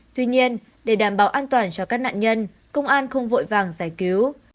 tuy nhiên để đảm bảo an toàn cho các nạn nhân công an không vội vàng giải cứu